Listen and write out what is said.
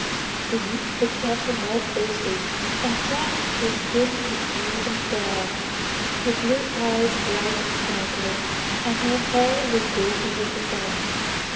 The youth looked at her more closely, and saw that her skin was smooth and fair, her blue eyes bright and sparkling, and her hair as golden as the sun.